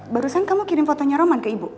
barusan kamu kirim fotonya roman ke ibu